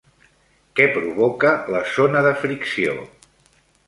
Què provoca la zona de fricció?